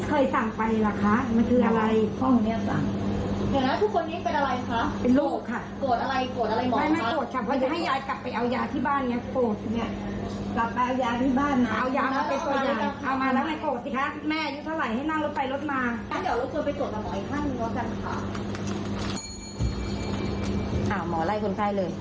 คำนวดคันแมง